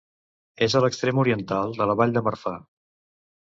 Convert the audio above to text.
És a l'extrem oriental de la Vall de Marfà.